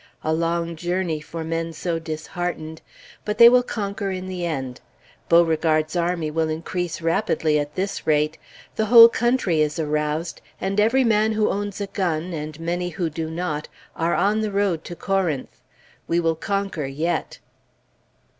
A long journey for men so disheartened! But they will conquer in the end. Beauregard's army will increase rapidly at this rate. The whole country is aroused, and every man who owns a gun, and many who do not, are on the road to Corinth. We will conquer yet.